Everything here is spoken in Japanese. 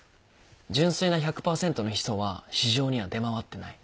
純粋な１００％のヒ素は市場には出回ってない。